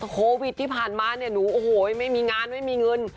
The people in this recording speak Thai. โควิดที่ผ่านมาเนี่ยหนูโอ้โหไม่มีงานไม่มีเงิน